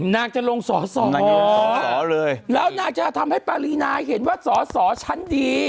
น่าจะลงสอดสอดสอดสอดเลยแล้วน่าจะทำให้ปรินายเห็นว่าสอดสอดฉันดี